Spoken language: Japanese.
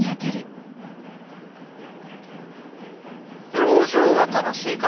「籠城は楽しいか？